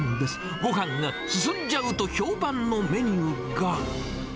ごはんが進んじゃうと評判のメニューが。